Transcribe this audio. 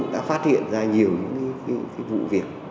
đã phát hiện ra nhiều vụ việc